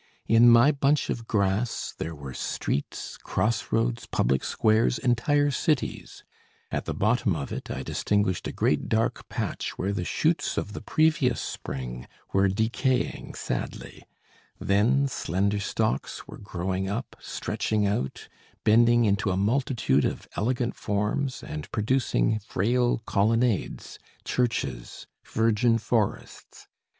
In my bunch of grass there were streets, cross roads, public squares, entire cities. At the bottom of it, I distinguished a great dark patch where the shoots of the previous spring were decaying sadly, then slender stalks were growing up, stretching out, bending into a multitude of elegant forms, and producing frail colonnades, churches, virgin forests.